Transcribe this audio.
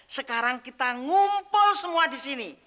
sekarang kita ngumpul semua di sini